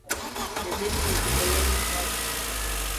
Bebeni mizigo yenu kwake.